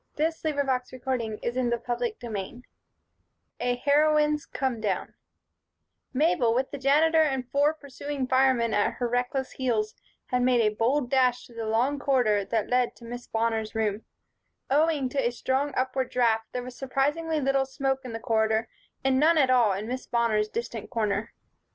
CHAPTER XIII A Heroine's Come Down MABEL, with the Janitor and four pursuing firemen at her reckless heels, had made a bold dash through the long corridor that led to Miss Bonner's room. Owing to a strong upward draft, there was surprisingly little smoke in this corridor and none at all in Miss Bonner's distant corner.